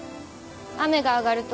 雨が上がると。